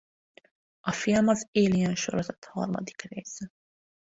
A film az Alien-sorozat harmadik része.